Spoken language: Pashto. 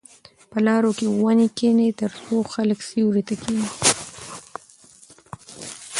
په لارو کې ونې کېنئ ترڅو خلک سیوري ته کښېني.